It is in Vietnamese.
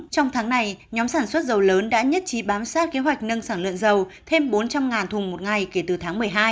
trong tháng này nhóm sản xuất dầu lớn đã nhất trí bám sát kế hoạch nâng sản lượng dầu thêm bốn trăm linh thùng một ngày kể từ tháng một mươi hai